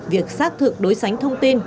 việc xác thực đối sánh thông tin